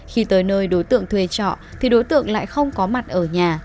khi tới nơi đối tượng thuê trọ thì đối tượng lại không có mặt ở nhà